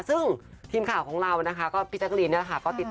ซึ่งทีมข่าวของเรานะคะก็พี่แจ๊กรีเนี่ยนะคะ